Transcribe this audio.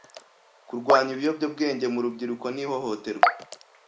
kurwanya ibiyobobyabwenge mu rubyiruko n’ihohoterwa